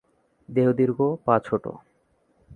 দেহ দীর্ঘ, পা ছোট।